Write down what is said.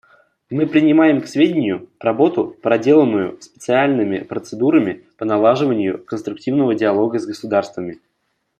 Мы принимаем к сведению работу, проделанную специальными процедурами по налаживанию конструктивного диалога с государствами.